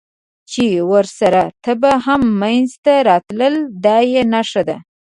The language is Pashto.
چې ورسره تبه هم منځته راتلل، دا یې نښه ده.